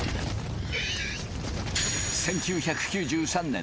１９９３年